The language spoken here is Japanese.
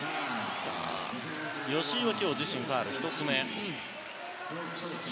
吉井は今日自身ファウルは１つ目。